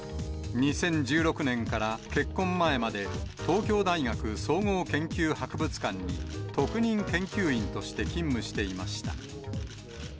２０１６年から結婚前まで、東京大学総合研究博物館に、特任研究員として勤務していました。